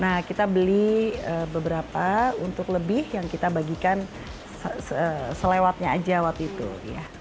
jadi kita beli beberapa untuk lebih yang kita bagikan selewatnya aja waktu itu ya